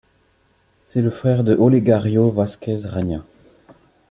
C'est le frère de Olegario Vázquez Raña.